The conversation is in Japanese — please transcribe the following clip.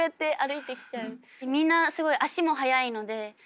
みんなすごい足も速いので。